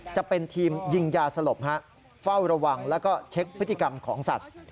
จะเป็นทีมยิงยาสลบเฝ้าระวังแล้วก็เช็คพฤติกรรมของสัตว์